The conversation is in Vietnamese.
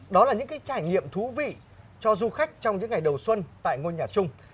đó là những trải nghiệm thú vị cho du khách trong những ngày đầu xuân tại ngôi nhà chung